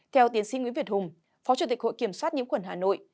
theo tiến sĩ nguyễn việt hùng phó chủ tịch hội kiểm soát nhiễm khuẩn hà nội